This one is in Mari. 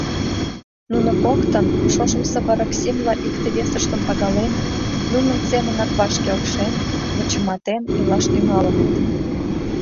Нуно коктын, шошымсо вараксимла икте-весыштым пагален, нунын семынак ваш келшен, вычыматен илаш тӱҥалыныт.